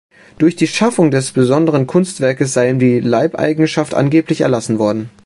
Durch die Schaffung des besonderen Kunstwerkes sei ihm die Leibeigenschaft angeblich erlassen worden.